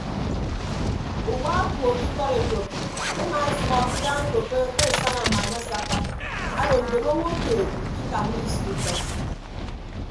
Uwak owo ke ikọd ekop ema efʌhọ daña ekoppo ke asana amaana asakka ado ndomo owo keed ikikanna isio itañ.